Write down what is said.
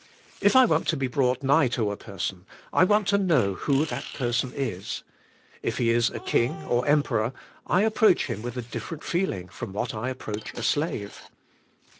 If I want to be brought nigh to a person I want to know who that person is. If he is a king or emperor I ap proach him with a different feeling from what I ap proach a slave.